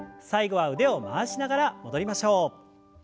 最後は腕を回しながら戻りましょう。